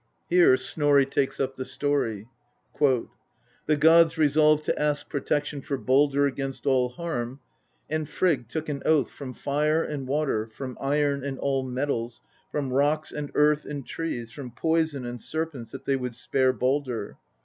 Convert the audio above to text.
Here Snorri takes up the story: "The gods resolved to ask protection for Baldr against all harm, and Frigg took an oath from fire and water, from iron and all metals, from rocks and earth and trees, from poison and serpents that they would spare Baldr.